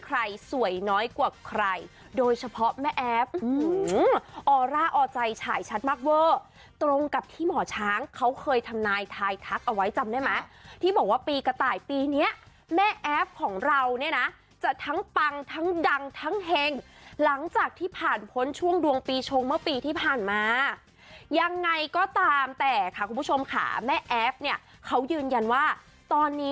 สวยน้อยกว่าใครโดยเฉพาะแม่แอฟออร่าออใจฉายชัดมากเวอร์ตรงกับที่หมอช้างเขาเคยทำนายทายทักเอาไว้จำได้ไหมที่บอกว่าปีกระต่ายปีเนี้ยแม่แอฟของเราเนี่ยนะจะทั้งปังทั้งดังทั้งเฮงหลังจากที่ผ่านพ้นช่วงดวงปีชงเมื่อปีที่ผ่านมายังไงก็ตามแต่ค่ะคุณผู้ชมค่ะแม่แอฟเนี่ยเขายืนยันว่าตอนนี้